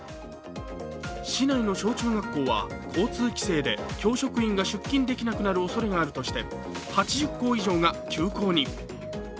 市内の小中学校は交通規制で教職員が出勤できなくなるおそれがあるとして８０校以上が休校に。